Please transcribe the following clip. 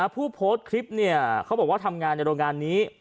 ผู้โพสต์คลิปเขาบอกว่าทำงานในโรงงานนี้